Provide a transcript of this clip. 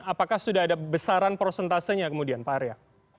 apakah sudah ada besaran prosentasenya kemudian pak arya